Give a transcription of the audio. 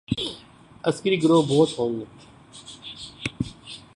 عسکری گروہ بہت ہوں۔